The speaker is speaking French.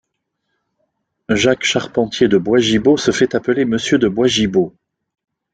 Jacques Charpentier de Boisgibault se fait appeler monsieur de Boisgibault.